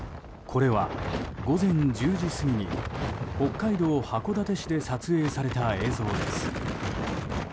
これは午前１０時過ぎに北海道函館市で撮影された映像です。